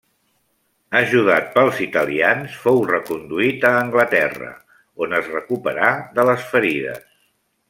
Ajudat pels italians fou reconduït a Anglaterra, on es recuperà de les ferides.